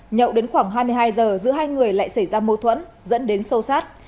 nhậu đến khoảng hai mươi hai giờ giữa hai người lại xảy ra mâu thuẫn dẫn đến sâu sát